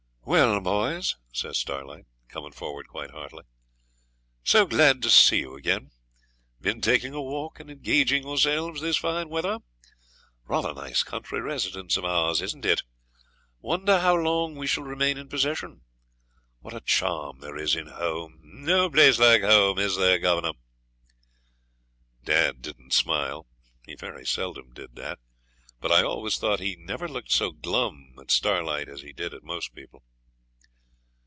'Well, boys!' says Starlight, coming forward quite heartily, 'glad to see you again; been taking a walk and engaging yourselves this fine weather? Rather nice country residence of ours, isn't it? Wonder how long we shall remain in possession! What a charm there is in home! No place like home, is there, governor?' Dad didn't smile, he very seldom did that, but I always thought he never looked so glum at Starlight as he did at most people.